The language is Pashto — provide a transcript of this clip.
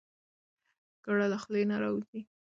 ګړه له خولې نه راوځي.